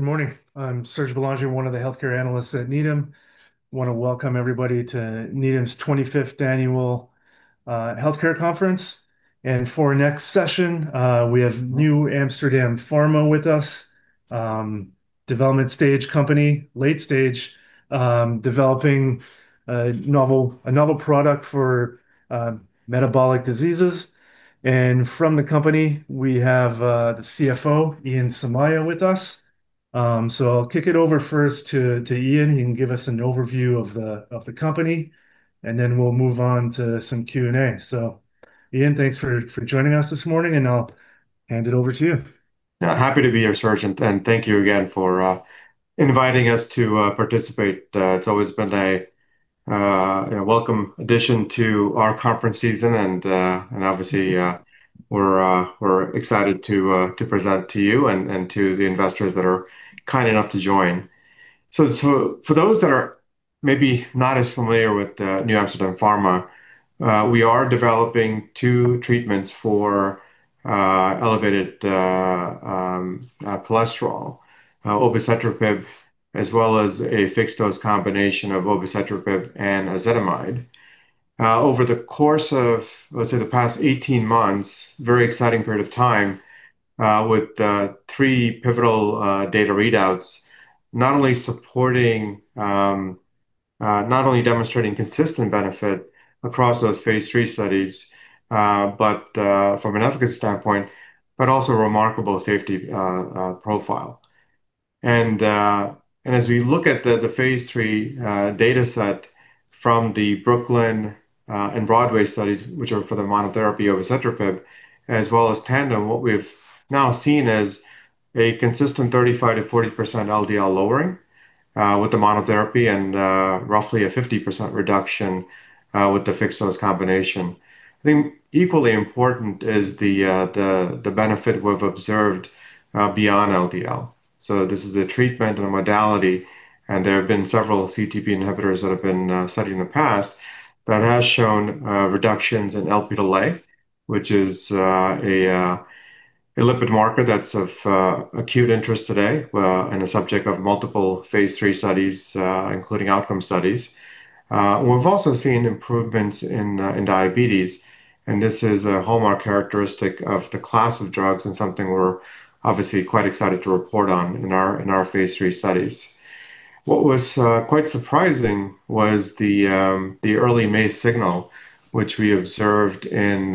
Good morning. I'm Serge Belanger, one of the healthcare analysts at Needham. I want to welcome everybody to Needham's 25th Annual Healthcare Conference. For our next session, we have NewAmsterdam Pharma with us, development-stage company, late-stage, developing a novel product for metabolic diseases. From the company, we have the CFO, Ian Somaiya, with us. I'll kick it over first to Ian. He can give us an overview of the company, and then we'll move on to some Q&A. Ian, thanks for joining us this morning, and I'll hand it over to you. Yeah. Happy to be here, Serge, and thank you again for inviting us to participate. It's always been a welcome addition to our conference season and obviously, we're excited to present to you and to the investors that are kind enough to join. For those that are maybe not as familiar with NewAmsterdam Pharma, we are developing two treatments for elevated cholesterol, obicetrapib, as well as a fixed-dose combination of obicetrapib and ezetimibe. Over the course of, let's say, the past 18 months, very exciting period of time, with three pivotal data readouts, not only demonstrating consistent benefit across those phase III studies from an efficacy standpoint, but also remarkable safety profile. As we look at the phase III dataset from the BROOKLYN and BROADWAY studies, which are for the monotherapy obicetrapib as well as TANDEM, what we've now seen is a consistent 35%-40% LDL lowering with the monotherapy, and roughly a 50% reduction with the fixed-dose combination. I think equally important is the benefit we've observed beyond LDL. This is a treatment or modality, and there have been several CETP inhibitors that have been studied in the past that has shown reductions in Lp(a), which is a lipid marker that's of acute interest today, and a subject of multiple phase III studies including outcome studies. We've also seen improvements in diabetes, and this is a hallmark characteristic of the class of drugs and something we're obviously quite excited to report on in our phase III studies. What was quite surprising was the early MACE signal, which we observed in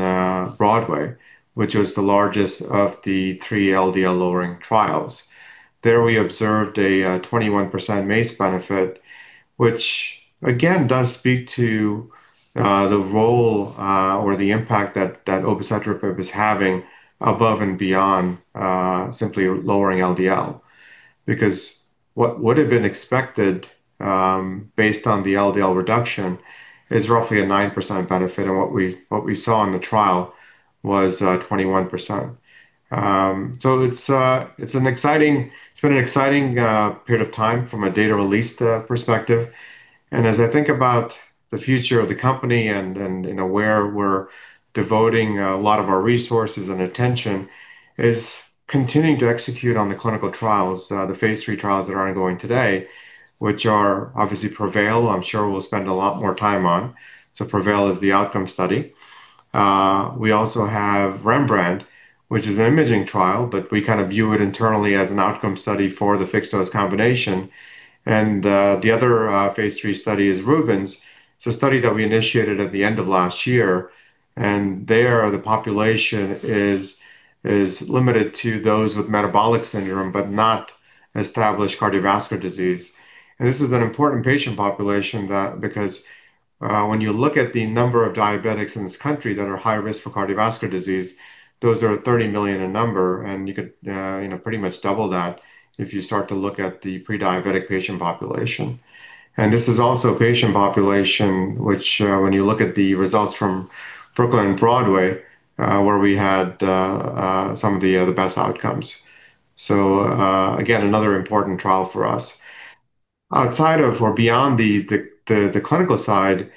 BROADWAY, which was the largest of the three LDL-lowering trials. There we observed a 21% MACE benefit, which again, does speak to the role or the impact that obicetrapib is having above and beyond simply lowering LDL. Because what would've been expected based on the LDL reduction is roughly a 9% benefit, and what we saw in the trial was 21%. It's been an exciting period of time from a data release perspective. As I think about the future of the company and where we're devoting a lot of our resources and attention, is continuing to execute on the clinical trials, the phase III trials that are ongoing today, which are obviously PREVAIL, I'm sure we'll spend a lot more time on. PREVAIL is the outcome study. We also have REMBRANDT, which is an imaging trial, but we kind of view it internally as an outcome study for the fixed-dose combination. The other phase III study is RUBENS. It's a study that we initiated at the end of last year, and there the population is limited to those with metabolic syndrome, but not established cardiovascular disease. This is an important patient population because when you look at the number of diabetics in this country that are high risk for cardiovascular disease, those are 30 million in number, and you could pretty much double that if you start to look at the pre-diabetic patient population. This is also a patient population which when you look at the results from BROOKLYN and BROADWAY, where we had some of the best outcomes. Again, another important trial for us. Outside of or beyond the clinical side,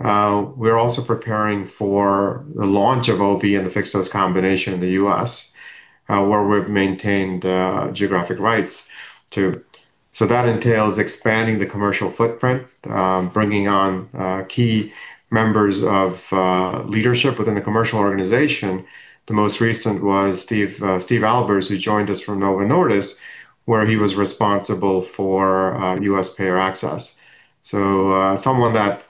we're also preparing for the launch of obi and the fixed-dose combination in the U.S., where we've maintained geographic rights to. That entails expanding the commercial footprint, bringing on key members of leadership within the commercial organization. The most recent was Steve Albers, who joined us from Novo Nordisk, where he was responsible for U.S. payer access. Someone that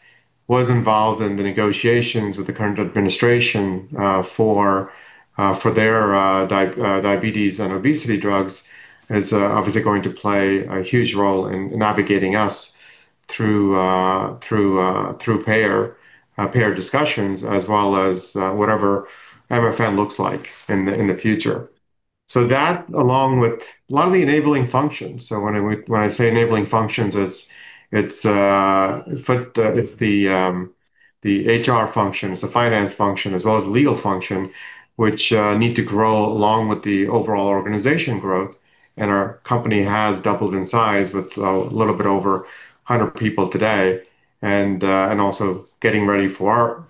was involved in the negotiations with the current administration for their diabetes and obesity drugs is obviously going to play a huge role in navigating us through payer discussions as well as whatever MFN looks like in the future, that along with a lot of the enabling functions. When I say enabling functions, it's the HR function, it's the finance function, as well as legal function, which need to grow along with the overall organization growth, and our company has doubled in size with a little bit over 100 people today. We are also getting ready for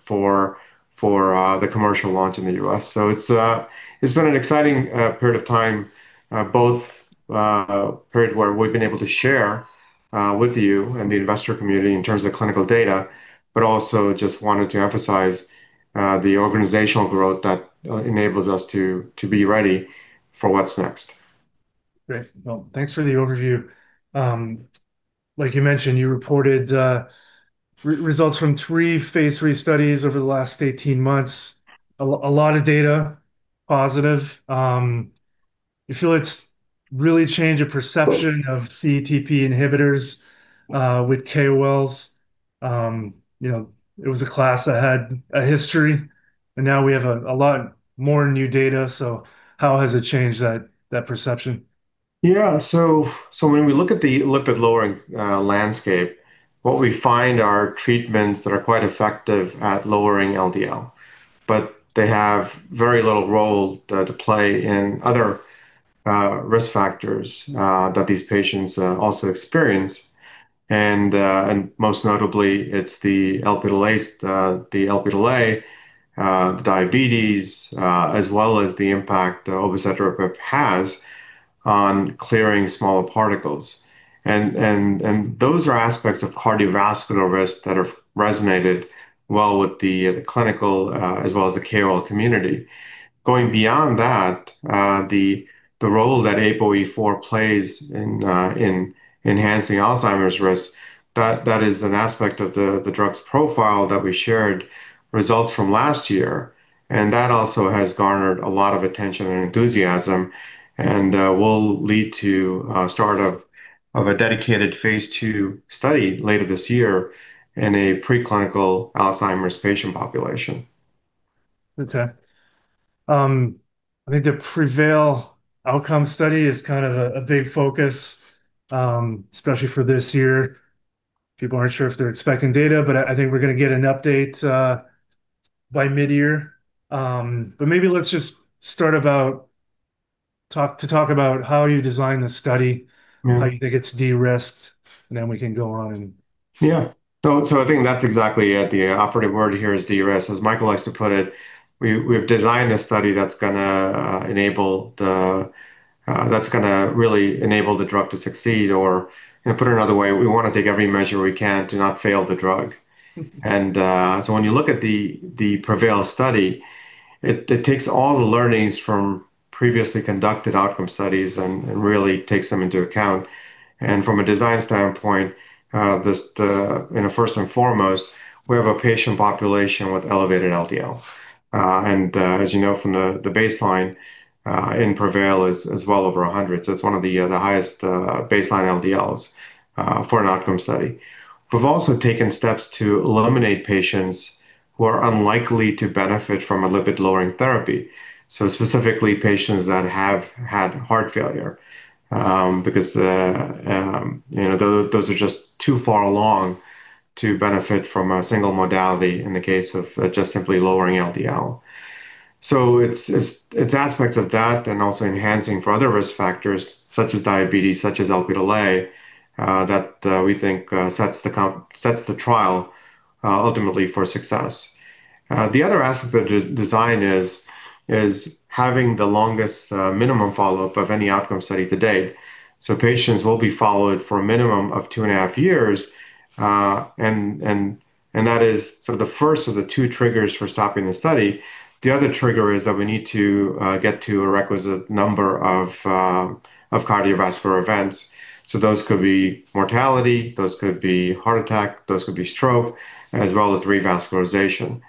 the commercial launch in the U.S. It's been an exciting period of time, both a period where we've been able to share with you and the investor community in terms of clinical data, but also just wanted to emphasize the organizational growth that enables us to be ready for what's next. Great. Well, thanks for the overview. Like you mentioned, you reported results from three phase III studies over the last 18 months, a lot of data, positive. You feel it's really changed the perception of CETP inhibitors with KOLs. It was a class that had a history, and now we have a lot more new data. How has it changed that perception? Yeah. When we look at the lipid-lowering landscape, what we find are treatments that are quite effective at lowering LDL. They have very little role to play in other risk factors that these patients also experience. Most notably, it's the Lp(a), the diabetes, as well as the impact obicetrapib has on clearing smaller particles. Those are aspects of cardiovascular risk that have resonated well with the clinical, as well as the KOL community. Going beyond that, the role that ApoE4 plays in enhancing Alzheimer's risk, that is an aspect of the drug's profile that we shared results from last year, and that also has garnered a lot of attention and enthusiasm and will lead to start of a dedicated phase II study later this year in a preclinical Alzheimer's patient population. Okay. I think the PREVAIL outcome study is a big focus, especially for this year. People aren't sure if they're expecting data, but I think we're going to get an update by mid-year. Maybe let's just talk about how you design the study. Mm-hmm How you think it's de-risked, then we can go on. Yeah. I think that's exactly it, the operative word here is de-risk. As Michael likes to put it, we've designed a study that's going to really enable the drug to succeed. Put it another way, we want to take every measure we can to not fail the drug. When you look at the PREVAIL study, it takes all the learnings from previously conducted outcome studies and really takes them into account. From a design standpoint, first and foremost, we have a patient population with elevated LDL. As you know from the baseline in PREVAIL is well over 100. It's one of the highest baseline LDLs for an outcome study. We've also taken steps to eliminate patients who are unlikely to benefit from a lipid-lowering therapy, so specifically patients that have had heart failure, because those are just too far along to benefit from a single modality in the case of just simply lowering LDL. It's aspects of that and also enhancing for other risk factors such as diabetes, such as Lp(a), that we think sets the trial ultimately for success. The other aspect of the design is having the longest minimum follow-up of any outcome study to date. Patients will be followed for a minimum of two and a half years, and that is the first of the two triggers for stopping the study. The other trigger is that we need to get to a requisite number of cardiovascular events. Those could be mortality, those could be heart attack, those could be stroke, as well as revascularization.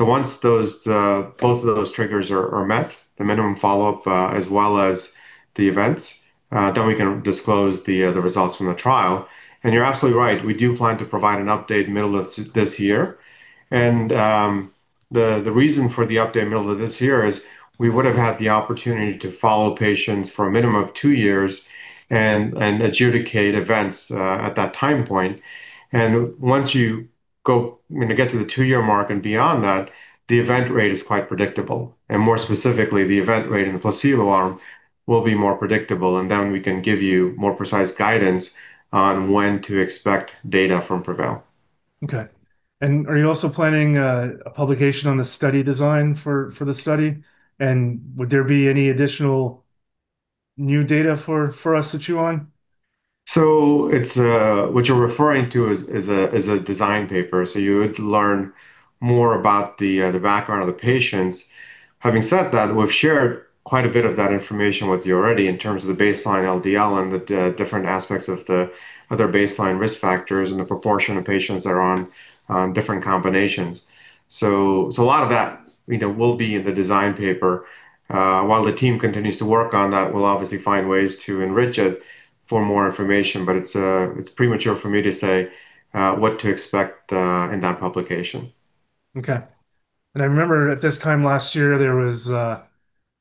Once both of those triggers are met, the minimum follow-up, as well as the events, then we can disclose the results from the trial. You're absolutely right, we do plan to provide an update middle of this year. The reason for the update middle of this year is we would have had the opportunity to follow patients for a minimum of two years and adjudicate events at that time point. Once you get to the two-year mark and beyond that, the event rate is quite predictable. More specifically, the event rate in the placebo arm will be more predictable, and then we can give you more precise guidance on when to expect data from PREVAIL. Okay. Are you also planning a publication on the study design for the study? Would there be any additional new data for us to chew on? What you're referring to is a design paper. You would learn more about the background of the patients. Having said that, we've shared quite a bit of that information with you already in terms of the baseline LDL and the different aspects of the other baseline risk factors, and the proportion of patients that are on different combinations. A lot of that will be in the design paper. While the team continues to work on that, we'll obviously find ways to enrich it for more information. It's premature for me to say what to expect in that publication. Okay. I remember at this time last year,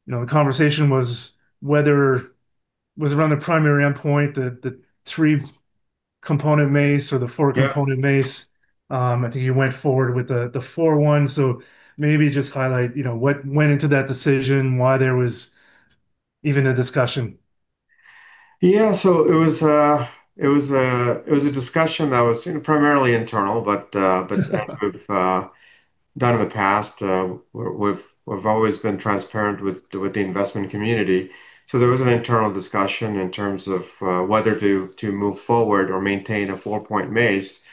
the conversation was around the primary endpoint, the three-component MACE or the four-component MACE. Yeah. I think you went forward with the four ones. Maybe just highlight what went into that decision, why there was even a discussion. Yeah. It was a discussion that was primarily internal. As we've done in the past, we've always been transparent with the investment community. There was an internal discussion in terms of whether to move forward or maintain a four-point MACE,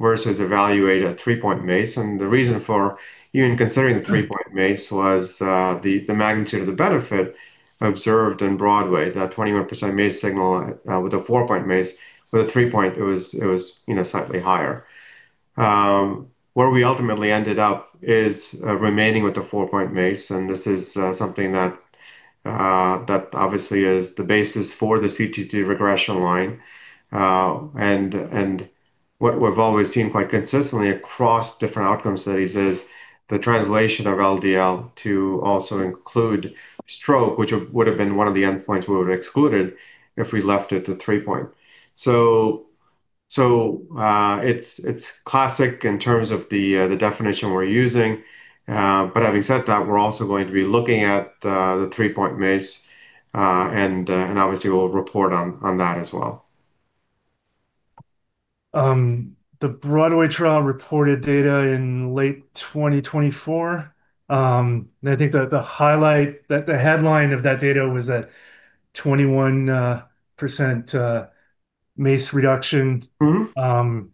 versus evaluate a three-point MACE. The reason for even considering the three-point MACE was the magnitude of the benefit observed in BROADWAY, that 21% MACE signal with a four-point MACE. With a three-point, it was slightly higher. Where we ultimately ended up is remaining with the four-point MACE, and this is something that obviously is the basis for the CTT regression line. What we've always seen quite consistently across different outcome studies is the translation of LDL to also include stroke, which would've been one of the endpoints we would've excluded if we left it to three-point. It's classic in terms of the definition we're using. Having said that, we're also going to be looking at the three-point MACE, and obviously we'll report on that as well. The BROADWAY trial reported data in late 2024. I think that the headline of that data was that 21% MACE reduction. Mm-hmm.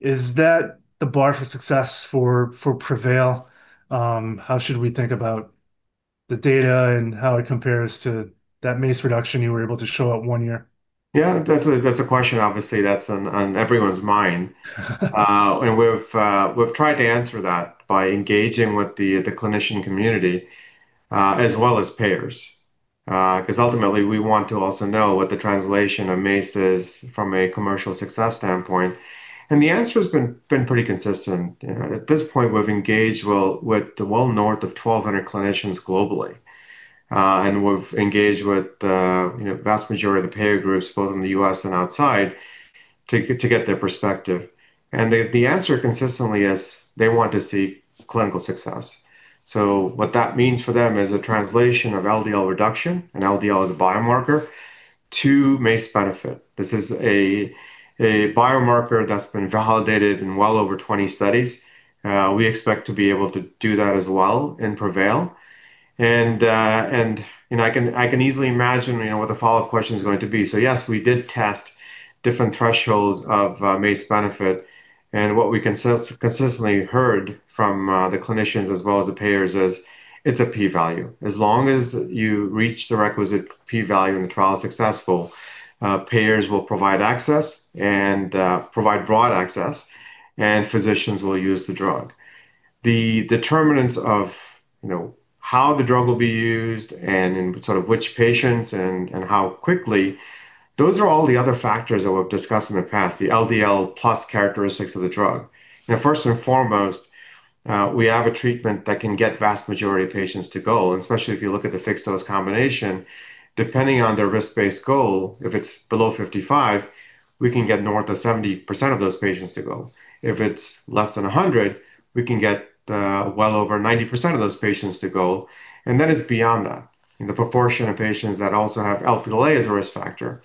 Is that the bar for success for PREVAIL? How should we think about the data and how it compares to that MACE reduction you were able to show at one year? Yeah, that's a question, obviously, that's on everyone's mind. We've tried to answer that by engaging with the clinician community, as well as payers. Because ultimately, we want to also know what the translation of MACE is from a commercial success standpoint, and the answer's been pretty consistent. At this point, we've engaged with well north of 1,200 clinicians globally. We've engaged with vast majority of the payer groups, both in the U.S. and outside to get their perspective. The answer consistently is they want to see clinical success. What that means for them is a translation of LDL reduction, and LDL is a biomarker, to MACE benefit. This is a biomarker that's been validated in well over 20 studies. We expect to be able to do that as well in PREVAIL. I can easily imagine what the follow-up question is going to be. Yes, we did test different thresholds of MACE benefit, and what we consistently heard from the clinicians as well as the payers is it's a p-value. As long as you reach the requisite p-value, and the trial is successful, payers will provide access, and provide broad access, and physicians will use the drug. The determinants of how the drug will be used, and in sort of which patients and how quickly, those are all the other factors that we've discussed in the past, the LDL plus characteristics of the drug. Now, first and foremost, we have a treatment that can get vast majority of patients to goal, and especially if you look at the fixed-dose combination, depending on their risk-based goal, if it's below 55, we can get north of 70% of those patients to goal. If it's less than 100, we can get well over 90% of those patients to goal. It's beyond that, in the proportion of patients that also have Lp(a) as a risk factor,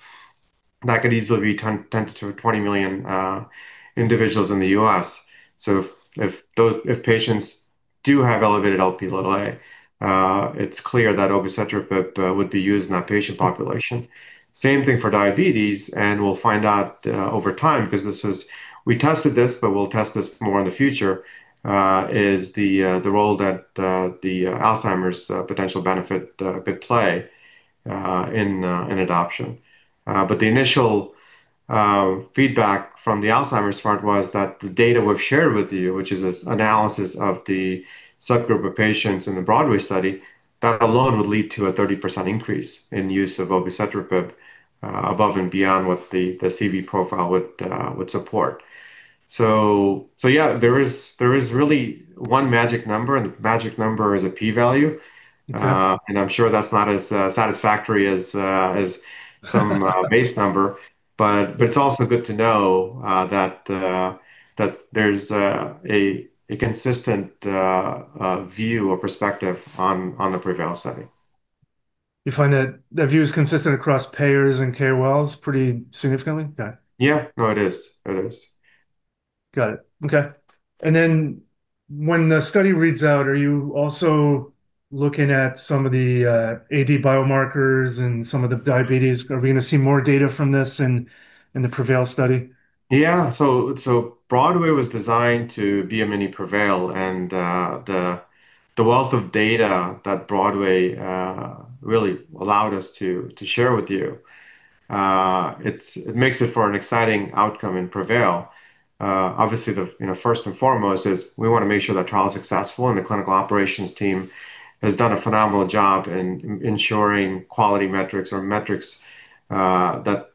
that could easily be 10 million-20 million individuals in the U.S. If patients do have elevated Lp(a), it's clear that obicetrapib would be used in that patient population. Same thing for diabetes, and we'll find out over time, because we tested this, but we'll test this more in the future, is the role that the Alzheimer's potential benefit could play in adoption. The initial feedback from the Alzheimer's front was that the data we've shared with you, which is this analysis of the subgroup of patients in the BROADWAY study, that alone would lead to a 30% increase in use of obicetrapib above and beyond what the CV profile would support. Yeah, there is really one magic number, and the magic number is a p-value. Okay. I'm sure that's not as satisfactory as some MACE number, but it's also good to know that there's a consistent view or perspective on the PREVAIL study. You find that that view is consistent across payers and KOLs pretty significantly? Yeah. Yeah. No, it is. It is. Got it. Okay. When the study reads out, are you also looking at some of the AD biomarkers and some of the diabetes? Are we going to see more data from this in the PREVAIL study? Yeah. BROADWAY was designed to be a mini PREVAIL, and the wealth of data that BROADWAY really allowed us to share with you, it makes it for an exciting outcome in PREVAIL. Obviously, first and foremost is we want to make sure the trial is successful, and the clinical operations team has done a phenomenal job in ensuring quality metrics or metrics that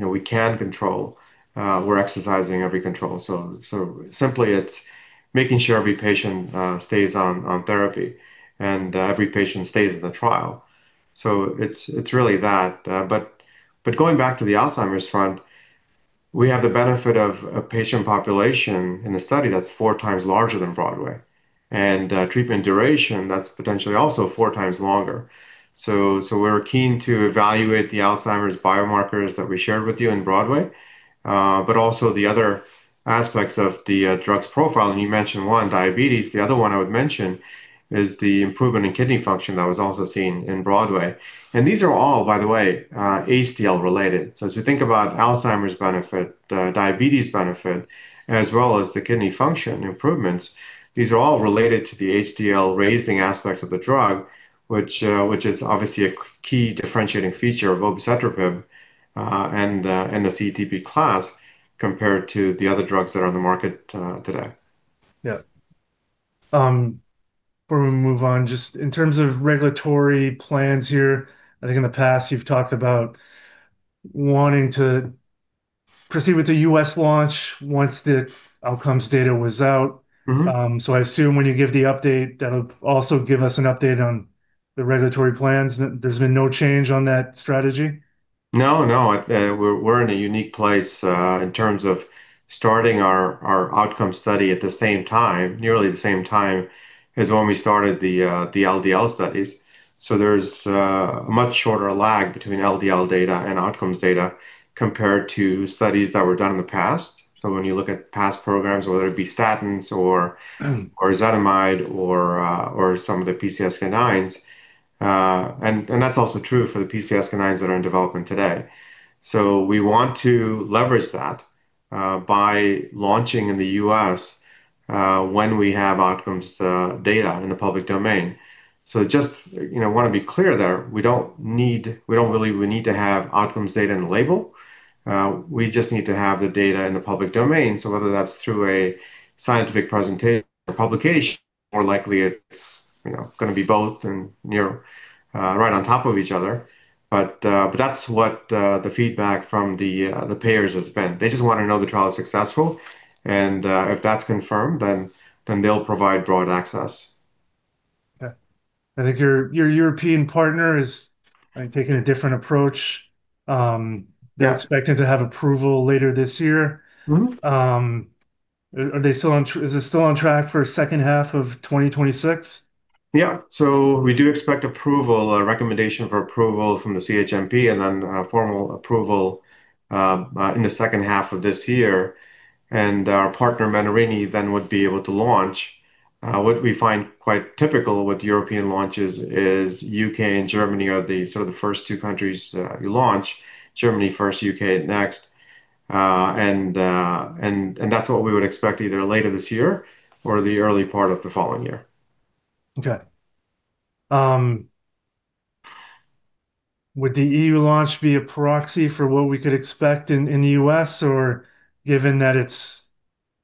we can control. We're exercising every control. Simply, it's making sure every patient stays on therapy, and every patient stays in the trial. It's really that. Going back to the Alzheimer's front, we have the benefit of a patient population in the study that's four times larger than BROADWAY, and treatment duration that's potentially also four times longer. We're keen to evaluate the Alzheimer's biomarkers that we shared with you in BROADWAY, but also the other aspects of the drug's profile. You mentioned one, diabetes. The other one I would mention is the improvement in kidney function that was also seen in BROADWAY. These are all, by the way, HDL-related. As we think about Alzheimer's benefit, the diabetes benefit, as well as the kidney function improvements, these are all related to the HDL-raising aspects of the drug, which is obviously a key differentiating feature of obicetrapib and the CETP class compared to the other drugs that are on the market today. Yeah. Before we move on, just in terms of regulatory plans here, I think in the past, you've talked about wanting to proceed with the U.S. launch once the outcomes data was out. Mm-hmm. I assume when you give the update, that'll also give us an update on the regulatory plans. There's been no change on that strategy? No, no. We're in a unique place, in terms of starting our outcome study at the same time, nearly the same time as when we started the LDL studies. There's a much shorter lag between LDL data and outcomes data compared to studies that were done in the past. Mm When you look at past programs, whether it be statins or ezetimibe or some of the PCSK9s, and that's also true for the PCSK9s that are in development today. We want to leverage that by launching in the U.S. when we have outcomes data in the public domain. Just want to be clear there, we don't really need to have outcomes data in the label. We just need to have the data in the public domain. Whether that's through a scientific presentation or publication, more likely it's going to be both and right on top of each other. That's what the feedback from the payers has been. They just want to know the trial is successful, and if that's confirmed, then they'll provide broad access. Yeah. I think your European partner is taking a different approach. Yeah. They're expecting to have approval later this year. Mm-hmm. Is it still on track for second half of 2026? Yeah. We do expect approval or recommendation for approval from the CHMP, and then a formal approval in the second half of this year. Our partner, Menarini, then would be able to launch. What we find quite typical with European launches is U.K. and Germany are the sort of first two countries you launch, Germany first, U.K. next. That's what we would expect either later this year or the early part of the following year. Okay. Would the E.U. launch be a proxy for what we could expect in the U.S. or given that it's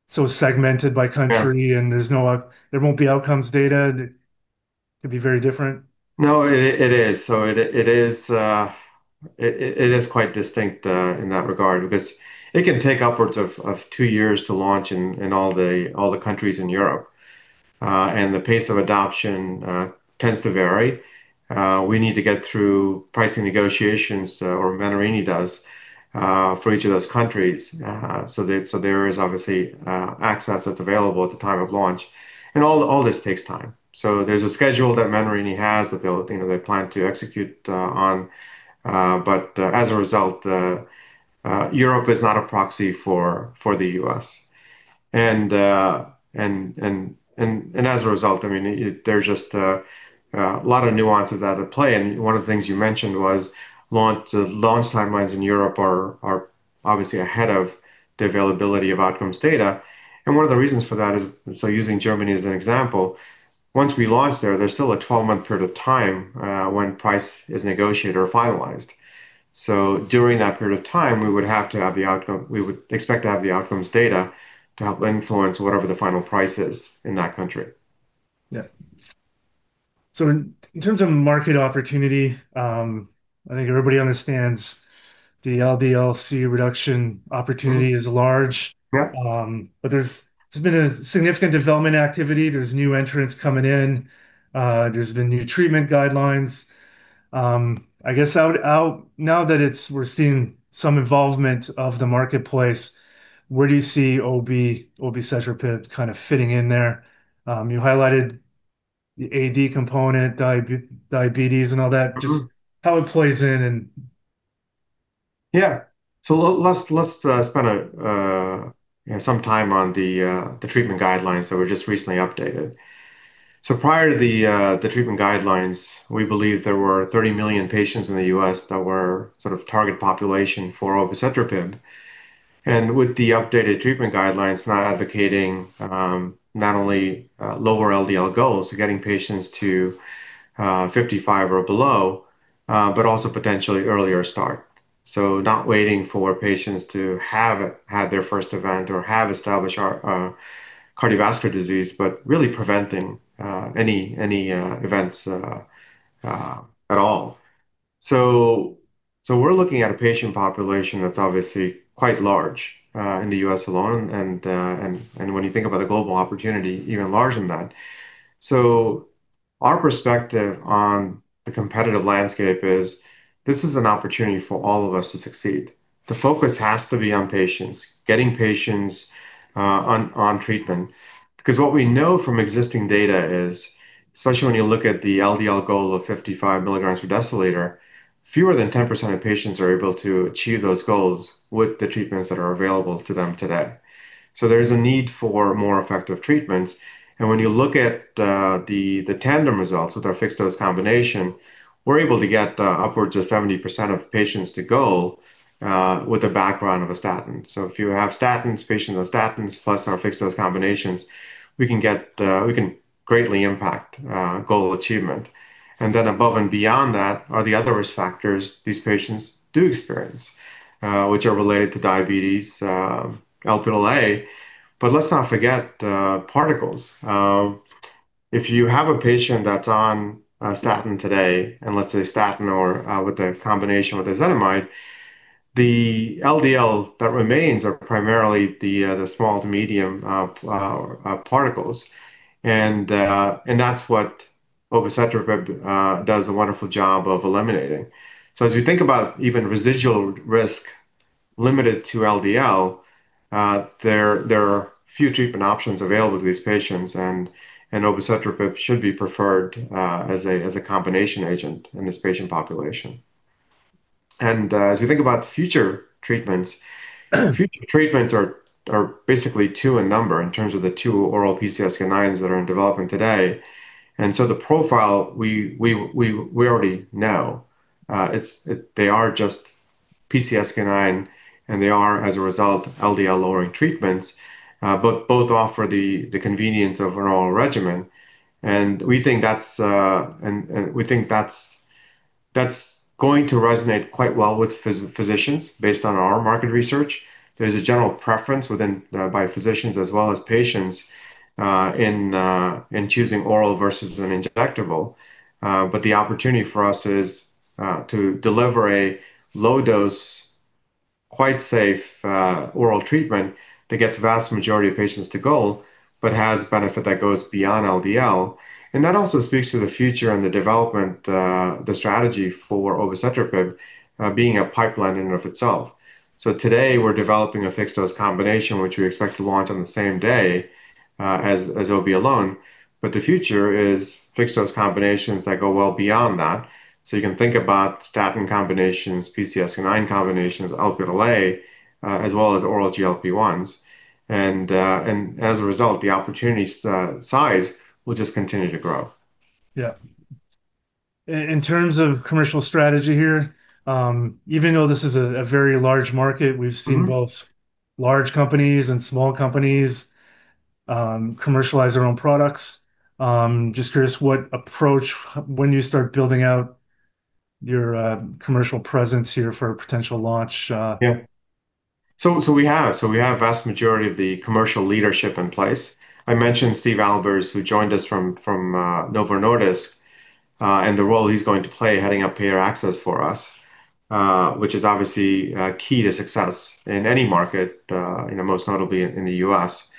so segmented by country? Yeah There won't be outcomes data, it could be very different? No, it is. It is quite distinct in that regard because it can take upwards of two years to launch in all the countries in Europe. The pace of adoption tends to vary. We need to get through pricing negotiations, or Menarini does, for each of those countries. There is obviously access that's available at the time of launch, and all this takes time. There's a schedule that Menarini has that they plan to execute on. As a result, Europe is not a proxy for the U.S. As a result, there's just a lot of nuances at play. One of the things you mentioned was launch timelines in Europe are obviously ahead of the availability of outcomes data. One of the reasons for that is, so using Germany as an example, once we launch there's still a 12-month period of time when price is negotiated or finalized. During that period of time, we would expect to have the outcomes data to help influence whatever the final price is in that country. Yeah. In terms of market opportunity, I think everybody understands the LDL-C reduction opportunity is large. Yep. There's been a significant development activity. There's new entrants coming in. There's been new treatment guidelines. I guess now that we're seeing some involvement of the marketplace, where do you see obicetrapib kind of fitting in there? You highlighted the AD component, diabetes and all that. Mm-hmm. Just how it plays in. Yeah. Let's spend some time on the treatment guidelines that were just recently updated. Prior to the treatment guidelines, we believe there were 30 million patients in the U.S. that were sort of target population for obicetrapib. With the updated treatment guidelines now advocating not only lower LDL goals, so getting patients to 55 or below, but also potentially earlier start, not waiting for patients to have had their first event or have established cardiovascular disease, but really preventing any events at all. We're looking at a patient population that's obviously quite large in the U.S. alone, and when you think about the global opportunity, even larger than that. Our perspective on the competitive landscape is this is an opportunity for all of us to succeed. The focus has to be on patients, getting patients on treatment. Because what we know from existing data is, especially when you look at the LDL goal of 55 mg/dL, fewer than 10% of patients are able to achieve those goals with the treatments that are available to them today. There is a need for more effective treatments. When you look at the TANDEM results with our fixed-dose combination, we're able to get upwards of 70% of patients to goal with a background of a statin. If you have patients on statins plus our fixed-dose combinations, we can greatly impact goal achievement. Above and beyond that are the other risk factors these patients do experience, which are related to diabetes, Lp(a), but let's not forget the particles. If you have a patient that's on a statin today, and let's say statin or with a combination with ezetimibe, the LDL that remains are primarily the small to medium particles. That's what obicetrapib does a wonderful job of eliminating. As you think about even residual risk limited to LDL, there are few treatment options available to these patients and obicetrapib should be preferred as a combination agent in this patient population. As we think about future treatments are basically two in number in terms of the two oral PCSK9s that are in development today. The profile we already know, they are just PCSK9, and they are, as a result, LDL-lowering treatments, but both offer the convenience of an oral regimen. We think that's going to resonate quite well with physicians based on our market research. There's a general preference by physicians as well as patients in choosing oral versus an injectable. The opportunity for us is to deliver a low-dose, quite safe oral treatment that gets vast majority of patients to goal, but has benefit that goes beyond LDL. That also speaks to the future and the development, the strategy for obicetrapib being a pipeline in and of itself. Today, we're developing a fixed-dose combination, which we expect to launch on the same day as obi alone. The future is fixed-dose combinations that go well beyond that. You can think about statin combinations, PCSK9 combinations, Lp(a), as well as oral GLP-1s. As a result, the opportunity size will just continue to grow. Yeah, in terms of commercial strategy here, even though this is a very large market, we've seen both large companies and small companies commercialize their own products. Just curious what approach when you start building out your commercial presence here for a potential launch? Yeah. We have vast majority of the commercial leadership in place. I mentioned Steve Albers, who joined us from Novo Nordisk, and the role he's going to play heading up payer access for us, which is obviously key to success in any market, most notably in the U.S.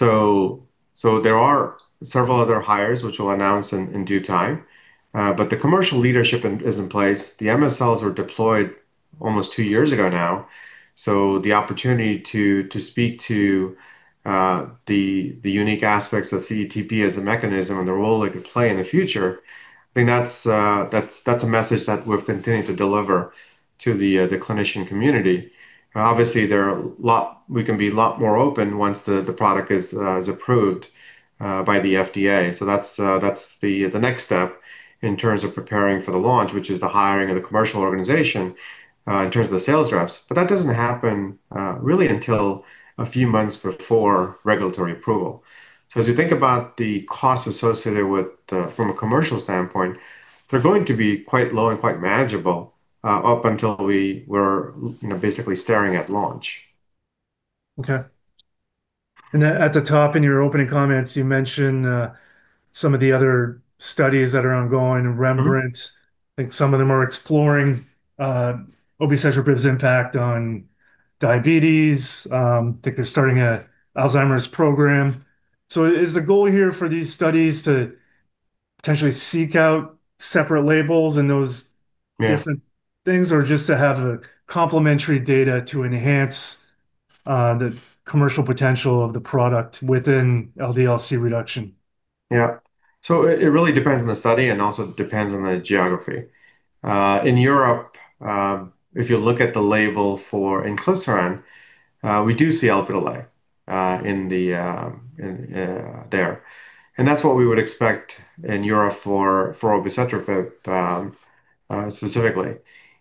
There are several other hires, which we'll announce in due time. The commercial leadership is in place. The MSLs were deployed almost two years ago now. The opportunity to speak to the unique aspects of CETP as a mechanism and the role it could play in the future, I think that's a message that we're continuing to deliver to the clinician community. Obviously, we can be a lot more open once the product is approved by the FDA. That's the next step in terms of preparing for the launch, which is the hiring of the commercial organization, in terms of the sales reps. That doesn't happen really until a few months before regulatory approval. As you think about the costs associated from a commercial standpoint, they're going to be quite low and quite manageable, up until we're basically staring at launch. Okay. At the top in your opening comments, you mentioned some of the other studies that are ongoing, REMBRANDT. I think some of them are exploring obicetrapib's impact on diabetes. I think they're starting a Alzheimer's program. Is the goal here for these studies to potentially seek out separate labels? Yeah Different things or just to have complementary data to enhance the commercial potential of the product within LDL-C reduction? Yeah. It really depends on the study and also depends on the geography. In Europe, if you look at the label for inclisiran, we do see Lp(a) there. That's what we would expect in Europe for obicetrapib specifically.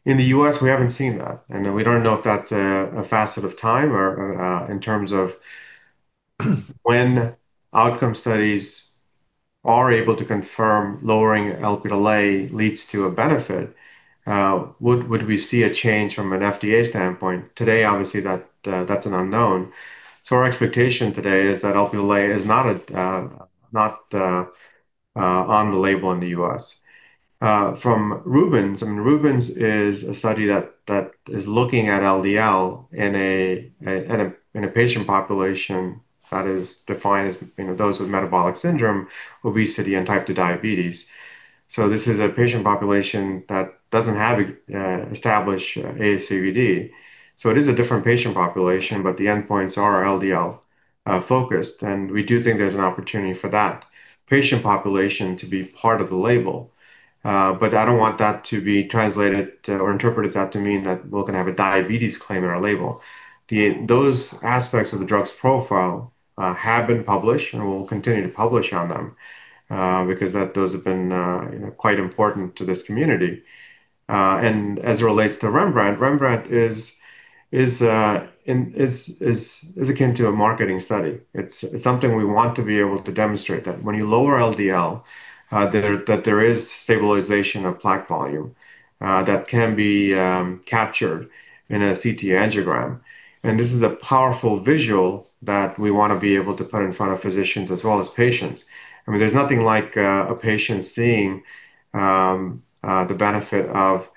In the U.S., we haven't seen that, and we don't know if that's a facet of time or in terms of when outcome studies are able to confirm lowering Lp(a) leads to a benefit. Would we see a change from an FDA standpoint? Today, obviously that's an unknown. Our expectation today is that Lp(a) is not on the label in the U.S. From RUBENS, and RUBENS is a study that is looking at LDL in a patient population that is defined as those with Metabolic Syndrome, obesity, and Type 2 Diabetes. This is a patient population that doesn't have established ASCVD. It is a different patient population, but the endpoints are LDL-focused, and we do think there's an opportunity for that patient population to be part of the label. I don't want that to be translated or interpreted that to mean that we're going to have a diabetes claim in our label. Those aspects of the drug's profile have been published, and we'll continue to publish on them because those have been quite important to this community. As it relates to REMBRANDT is akin to a marketing study. It's something we want to be able to demonstrate, that when you lower LDL, that there is stabilization of plaque volume that can be captured in a CT angiogram. This is a powerful visual that we want to be able to put in front of physicians as well as patients. There's nothing like a patient seeing the benefit of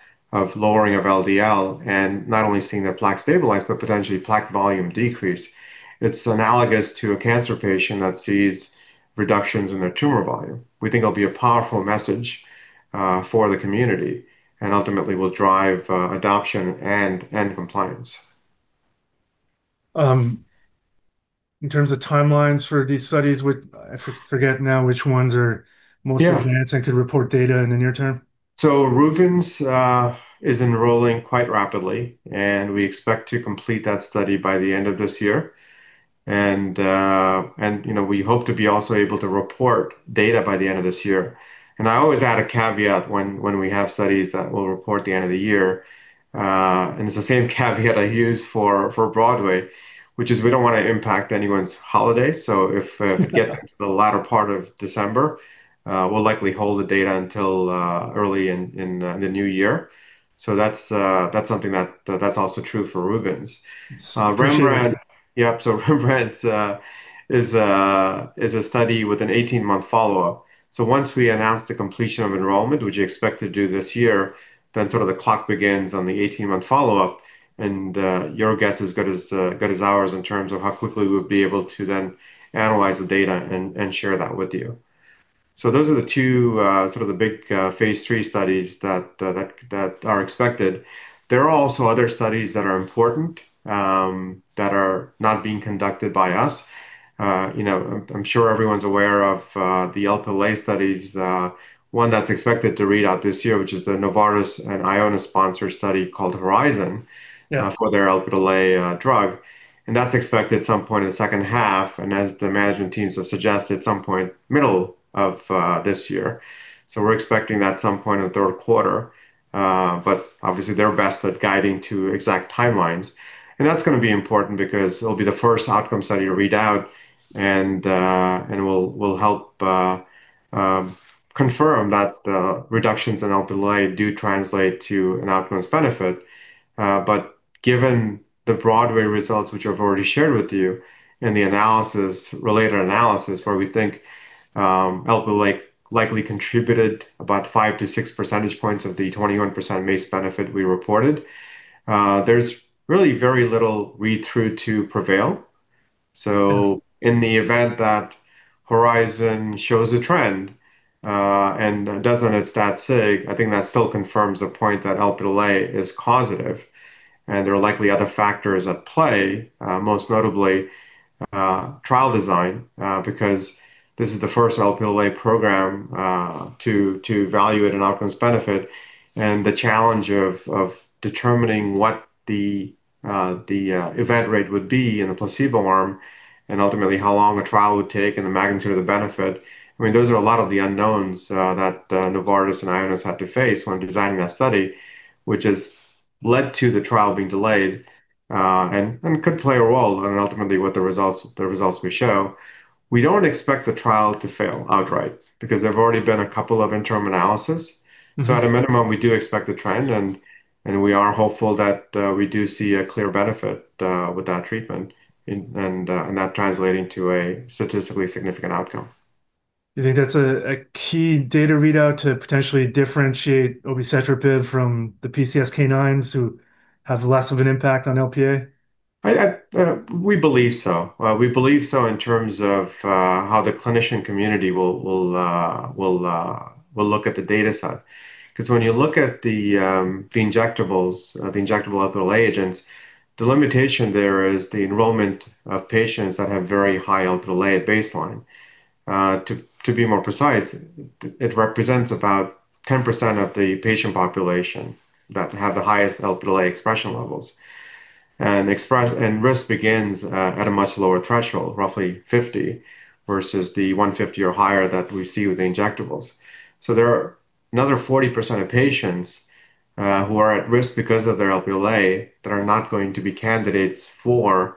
lowering of LDL and not only seeing their plaque stabilize, but potentially plaque volume decrease. It's analogous to a cancer patient that sees reductions in their tumor volume. We think it'll be a powerful message for the community and ultimately will drive adoption and compliance. In terms of timelines for these studies, I forget now which ones are. Yeah Most advanced and could report data in the near term. So RUBENS is enrolling quite rapidly, and we expect to complete that study by the end of this year. And we hope to be also able to report data by the end of this year. And I always add a caveat when we have studies that we'll report at the end of the year, and it's the same caveat I use for BROADWAY, which is we don't want to impact anyone's holiday. So if it gets into the latter part of December, we'll likely hold the data until early in the new year. So that's something that's also true for RUBENS. REMBRANDT is a study with an 18-month follow-up. Once we announce the completion of enrollment, which we expect to do this year, then sort of the clock begins on the 18-month follow-up, and your guess is as good as ours in terms of how quickly we'll be able to then analyze the data and share that with you. Those are the two sort of the big phase III studies that are expected. There are also other studies that are important that are not being conducted by us. I'm sure everyone's aware of the Lp(a) studies, one that's expected to read out this year, which is the Novartis and Ionis-sponsored study called HORIZON. Yeah For their Lp(a) drug. That's expected at some point in the second half, and as the management teams have suggested, some point middle of this year. We're expecting that some point in the third quarter. Obviously, they're best at guiding to exact timelines. That's going to be important because it'll be the first outcome study to read out, and will help confirm that the reductions in Lp(a) do translate to an outcomes benefit. Given the BROADWAY results, which I've already shared with you, and the related analysis where we think Lp(a) likely contributed about five to six percentage points of the 21% MACE benefit we reported, there's really very little read-through to PREVAIL. In the event that HORIZON shows a trend and doesn't hit stat sig, I think that still confirms the point that Lp(a) is causative and there are likely other factors at play, most notably trial design, because this is the first Lp(a) program to evaluate an outcomes benefit and the challenge of determining what the event rate would be in a placebo arm and ultimately how long a trial would take and the magnitude of the benefit. Those are a lot of the unknowns that Novartis and Ionis had to face when designing that study, which has led to the trial being delayed and could play a role in ultimately what the results may show. We don't expect the trial to fail outright because there have already been a couple of interim analysis. At a minimum, we do expect a trend, and we are hopeful that we do see a clear benefit with that treatment and that translating to a statistically significant outcome. You think that's a key data readout to potentially differentiate obicetrapib from the PCSK9s who have less of an impact on Lp(a)? We believe so in terms of how the clinician community will look at the data set. Because when you look at the injectable Lp(a) agents, the limitation there is the enrollment of patients that have very high Lp(a) at baseline. To be more precise, it represents about 10% of the patient population that have the highest Lp(a) expression levels. Risk begins at a much lower threshold, roughly 50 versus the 150 or higher that we see with the injectables. There are another 40% of patients who are at risk because of their Lp(a) that are not going to be candidates for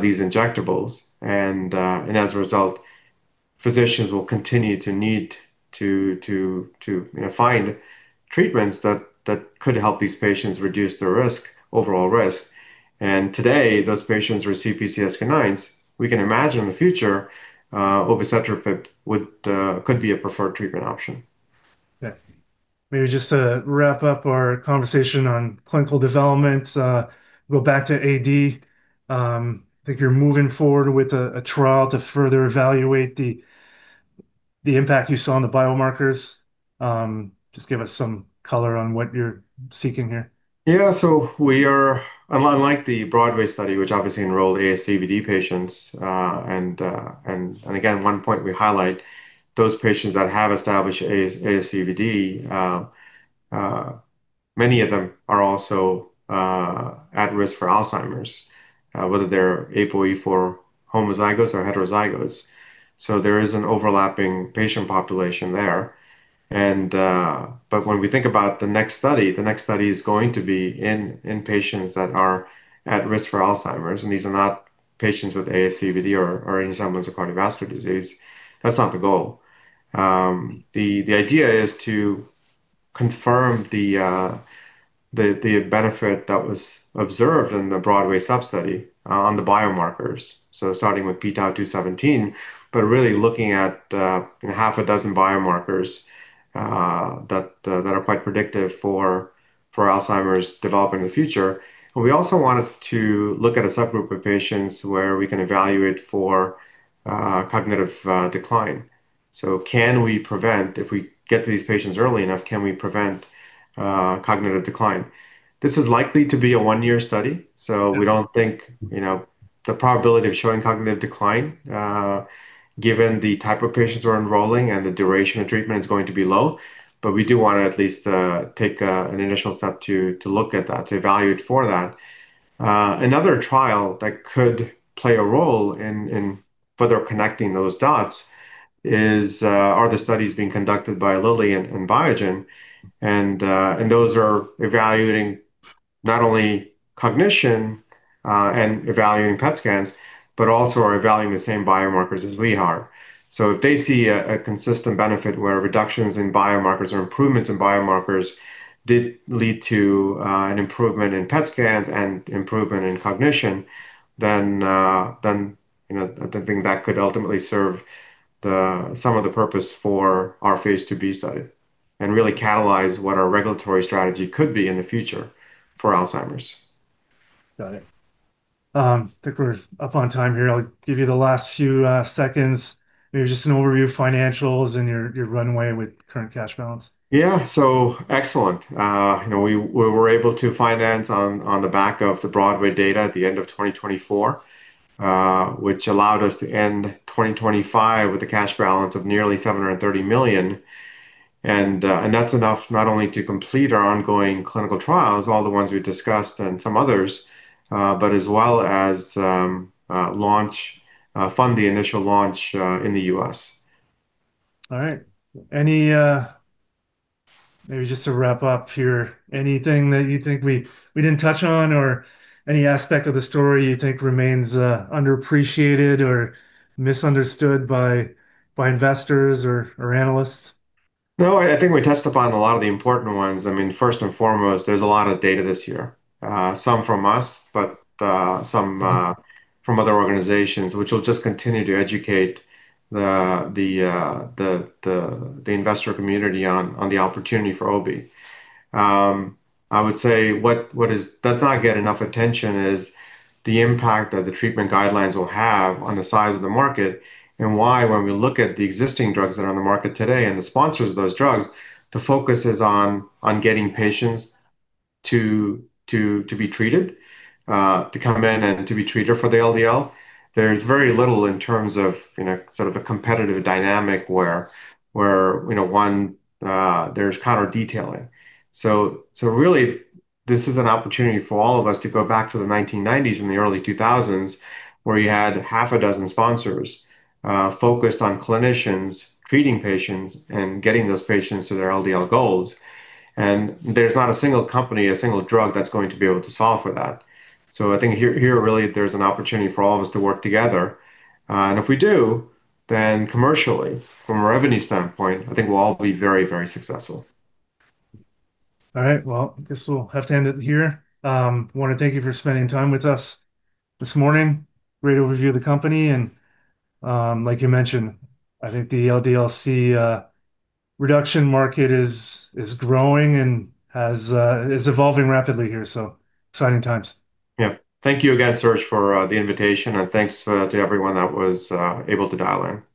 these injectables. As a result, physicians will continue to need to find treatments that could help these patients reduce their overall risk. Today, those patients receive PCSK9s. We can imagine in the future obicetrapib could be a preferred treatment option. Yeah. Maybe just to wrap up our conversation on clinical development, go back to AD. I think you're moving forward with a trial to further evaluate the impact you saw on the biomarkers. Just give us some color on what you're seeking here. Yeah, we are unlike the BROADWAY study, which obviously enrolled ASCVD patients. Again, one point we highlight, those patients that have established ASCVD, many of them are also at risk for Alzheimer's, whether they're ApoE4 homozygous or heterozygous. There is an overlapping patient population there. When we think about the next study, the next study is going to be in patients that are at risk for Alzheimer's, and these are not patients with ASCVD or any semblance of cardiovascular disease. That's not the goal. The idea is to confirm the benefit that was observed in the BROADWAY sub-study on the biomarkers, starting with p-tau217, but really looking at half a dozen biomarkers that are quite predictive for Alzheimer's developing in the future. We also wanted to look at a subgroup of patients where we can evaluate for cognitive decline. Can we prevent, if we get to these patients early enough, can we prevent cognitive decline? This is likely to be a one-year study, so we don't think the probability of showing cognitive decline, given the type of patients we're enrolling and the duration of treatment, is going to be low. We do want to at least take an initial step to look at that, to evaluate for that. Another trial that could play a role in further connecting those dots are the studies being conducted by Lilly and Biogen, and those are evaluating not only cognition and evaluating PET scans, but also are evaluating the same biomarkers as we are. If they see a consistent benefit where reductions in biomarkers or improvements in biomarkers did lead to an improvement in PET scans and improvement in cognition, then I think that could ultimately serve some of the purpose for our phase IIb study and really catalyze what our regulatory strategy could be in the future for Alzheimer's. Got it. I think we're up on time here. I'll give you the last few seconds, maybe just an overview of financials and your runway with current cash balance? Excellent. We were able to finance on the back of the BROADWAY data at the end of 2024, which allowed us to end 2025 with a cash balance of nearly $730 million. That's enough not only to complete our ongoing clinical trials, all the ones we've discussed and some others, but as well as fund the initial launch in the U.S. All right. Maybe just to wrap up here, anything that you think we didn't touch on or any aspect of the story you think remains underappreciated or misunderstood by investors or analysts? No, I think we touched upon a lot of the important ones. First and foremost, there's a lot of data this year, some from us, but some from other organizations, which will just continue to educate the investor community on the opportunity for obicetrapib. I would say what does not get enough attention is the impact that the treatment guidelines will have on the size of the market, and why, when we look at the existing drugs that are on the market today and the sponsors of those drugs, the focus is on getting patients to be treated, to come in and to be treated for the LDL. There's very little in terms of sort of a competitive dynamic where, one, there's counter-detailing. Really, this is an opportunity for all of us to go back to the 1990s and the early 2000s, where you had half a dozen sponsors focused on clinicians treating patients and getting those patients to their LDL goals. There's not a single company, a single drug that's going to be able to solve for that. I think here, really, there's an opportunity for all of us to work together. If we do, then commercially, from a revenue standpoint, I think we'll all be very, very successful. All right. Well, I guess we'll have to end it here. I want to thank you for spending time with us this morning. Great overview of the company, and like you mentioned, I think the LDL-C reduction market is growing and is evolving rapidly here, so exciting times. Yeah. Thank you again, Serge, for the invitation, and thanks to everyone that was able to dial in. Thank you.